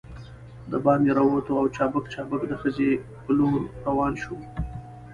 دباندې راووتو او چابک چابک د خزې په لور روان شوو.